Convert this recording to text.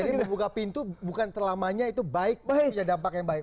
jadi membuka pintu bukan terlamanya itu baik tapi punya dampak yang baik